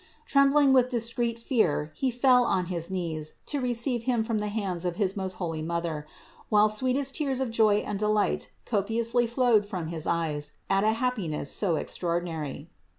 Trembling with discreet fear He fell on his knees to receive Him from the hands of his most holy Mother, while sweetest tears of joy and delight copiously flowed from his eyes at a happiness so extraordinary.